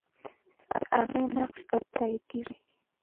د هغې نقش به تل تایید کېږي.